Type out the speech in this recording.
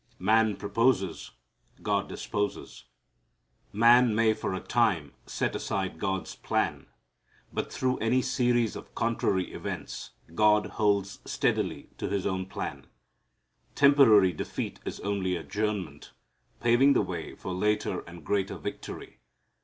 Man proposes. God disposes. Man may for a time set aside God's plan, but through any series of contrary events God holds steadily to His own plan. Temporary defeat is only adjournment, paving the way for later and greater victory.